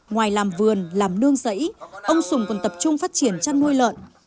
ngoài làm vườn làm nương rẫy ông sùng còn tập trung phát triển chăn nuôi lợn